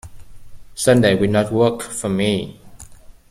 Sunday will not work for me.